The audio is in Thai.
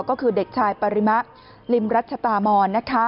ก็คือเด็กชายปริมะลิมรัชตามอนนะคะ